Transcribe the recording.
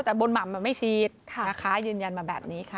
แต่บนหม่ำไม่ฉีดนะคะยืนยันมาแบบนี้ค่ะ